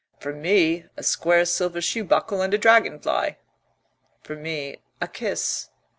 "For me, a square silver shoe buckle and a dragonfly " "For me, a kiss.